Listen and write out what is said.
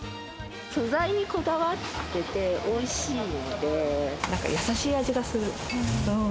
素材にこだわってて、おいしなんか優しい味がする。